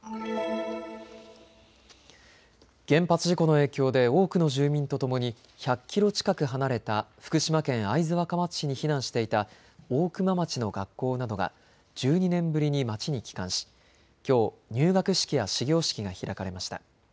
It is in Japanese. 原発事故の影響で多くの住民とともに１００キロ近く離れた福島県会津若松市に避難していた大熊町の学校などが１２年ぶりに町に帰還し、きょう入学式や始業式が開かれました。